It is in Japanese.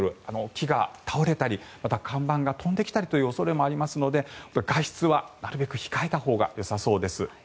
木が倒れたり看板が飛んできたりという恐れもありますので外出はなるべく控えたほうがよさそうです。